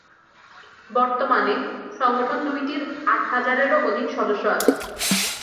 বর্তমানে, সংগঠন দুইটির আট হাজারেরও অধিক সদস্য আছে।